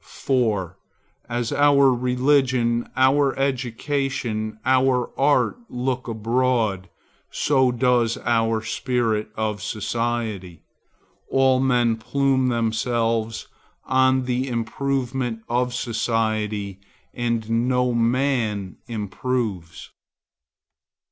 4. As our Religion, our Education, our Art look abroad, so does our spirit of society. All men plume themselves on the improvement of society, and no man improves.